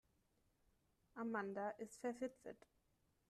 Amanda ist verwitwet.